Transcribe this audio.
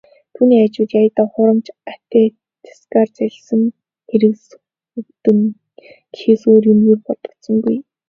Түүний хажууд "яая даа, хуурамч аттестатаар залилсан хэрэг сөхөгдөнө" гэхээс өөр юм ер бодогдсонгүй.